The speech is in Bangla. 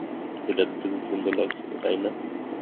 সেই রাতে তাকে খুব সুন্দর লাগছিল, তাই না?